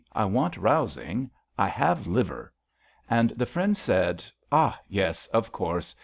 I want rousing. I have liver.'* And the friend said: *' Ah, yes, of course.